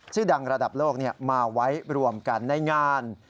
ชื่อดังระดับโลกมาไว้รวมกันในงาน